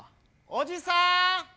おじさん！